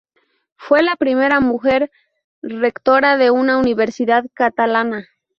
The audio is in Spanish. Fue la primera mujer Rectora de una universidad catalana.